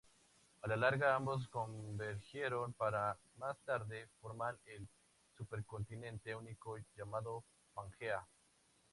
A la larga ambos convergieron para, más tarde, formar el supercontinente único llamado Pangea.